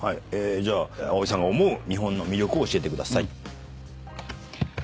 じゃあ葵さんが思う日本の魅力を教えてください。